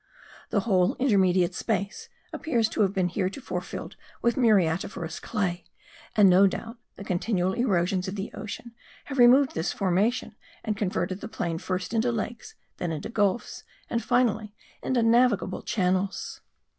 The whole intermediate space appears to have been heretofore filled with muriatiferous clay; and no doubt the continual erosions of the ocean have removed this formation and converted the plain, first into lakes, then into gulfs, and finally into navigable channels.